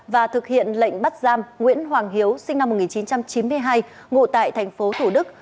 và thực hiện lệnh bắt giam nguyễn hoàng hiếu sinh năm một nghìn chín trăm chín mươi hai ngụ tại tp thủ đức